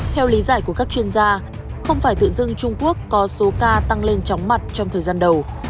theo lý giải của các chuyên gia không phải tự dưng trung quốc có số ca tăng lên chóng mặt trong thời gian đầu